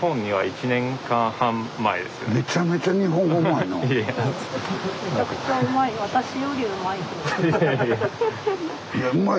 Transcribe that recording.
めちゃくちゃうまい。